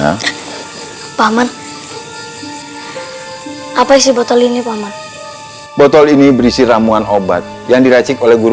apa semua itu see you